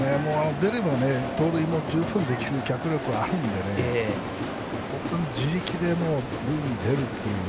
出れば盗塁も十分できる脚力はあるので自力で塁に出るという。